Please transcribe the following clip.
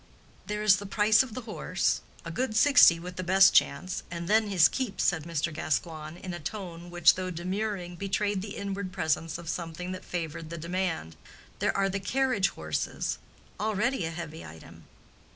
"There is the price of the horse—a good sixty with the best chance, and then his keep," said Mr. Gascoigne, in a tone which, though demurring, betrayed the inward presence of something that favored the demand. "There are the carriage horses—already a heavy item.